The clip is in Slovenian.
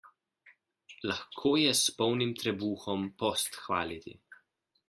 Lahko je s polnim trebuhom post hvaliti.